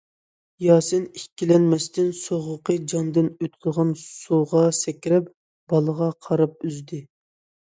ياسىن ئىككىلەنمەستىن سوغۇقى جاندىن ئۆتىدىغان سۇغا سەكرەپ، بالىغا قاراپ ئۈزدى.